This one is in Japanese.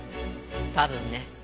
多分ね。